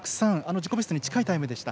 自己ベストに近いタイムでした。